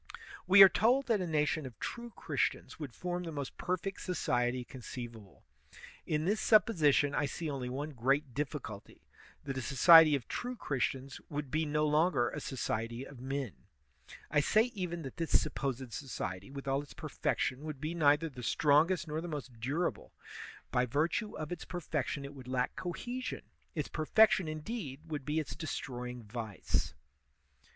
We are told that a nation of true Christians would form the most perfect society conceivable. In this supix)sition I see only one great diflBculty — that a so ciety of true Christians would be no longer a society of men. I say even that this supposed society, with all its per fection, would be neither the strongest nor the most durable; by virtue of its perfection it would lack cohe sion; its perfection, indeed, would be its destroying vice.